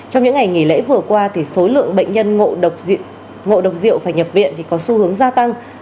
trong những ngày nghỉ lễ vừa qua thì số lượng bệnh nhân ngộ độc rượu phải nhập viện thì có xu hướng gia tăng